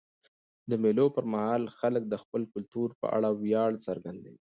د مېلو پر مهال خلک د خپل کلتور په اړه ویاړ څرګندوي.